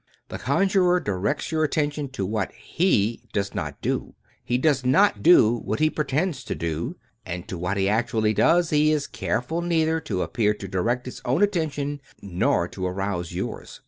The conjurer directs your attention to what he does not do ; he does not do what he pretends to do ; and to what he actually does, he is careful neither to appear to direct his own attention nor to arouse yours."